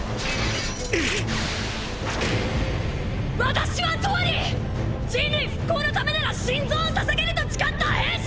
私はとうに人類復興のためなら心臓を捧げると誓った兵士！